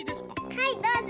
はいどうぞ。